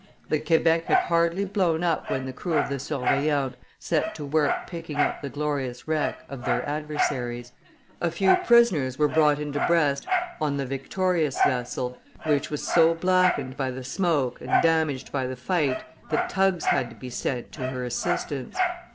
The Quebec had hardly blown up when the crew of the Surveillante set to work picking up the glorious wreck of their adversaries; a few prisoners were brought into Brest on the victorious vessel, which was so blackened by the smoke and damaged by the fight that tugs had to be sent to her assistance.